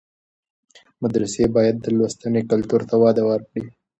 مدرسې باید د لوستنې کلتور ته وده ورکړي.